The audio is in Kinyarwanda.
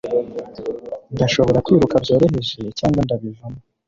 Ndashobora kwiruka byoroheje cyangwa ndabivamo